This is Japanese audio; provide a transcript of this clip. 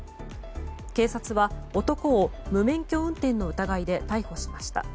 警察は男を無免許運転の疑いで逮捕しました。